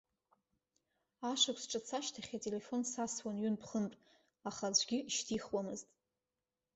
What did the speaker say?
Ашықәс ҿыц ашьҭахь ателефон сасуан ҩынтә-хынтә, аха аӡәгьы ишьҭихуамызт.